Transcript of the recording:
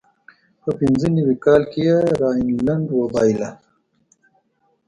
په پینځه نوي کال کې یې راینلنډ وبایله.